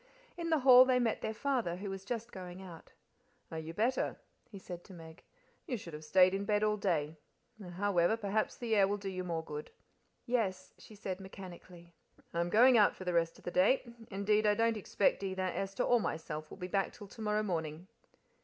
In the hall they met their father, who was just going out. "Are you better?" he said to Meg. "You should have stayed in bed all day; however, perhaps the air will do you more good." "Yes," she said mechanically. "I'm going out for the rest of the day; indeed, I don't expect either Esther or myself will be back till to morrow morning."